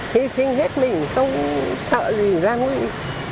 hy sinh hết mình không sợ gì ra nguyện